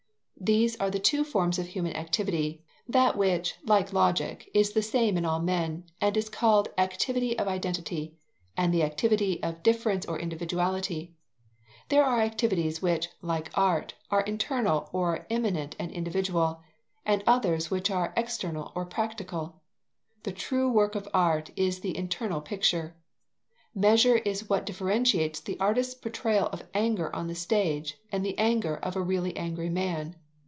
These are the two forms of human activity that which, like Logic, is the same in all men, and is called activity of identity, and the activity of difference or individuality. There are activities which, like art, are internal or immanent and individual, and others which are external or practical. The true work of art is the internal picture. Measure is what differentiates the artist's portrayal of anger on the stage and the anger of a really angry man.